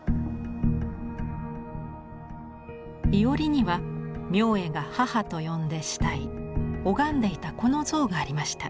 庵には明恵が母と呼んで慕い拝んでいたこの像がありました。